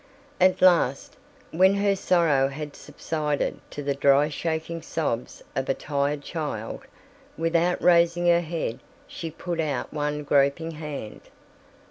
At last, when her sorrow had subsided to the dry shaking sobs of a tired child, without raising her head she put out one groping hand.